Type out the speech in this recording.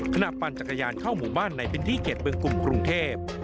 ปั่นจักรยานเข้าหมู่บ้านในพื้นที่เขตเมืองกลุ่มกรุงเทพ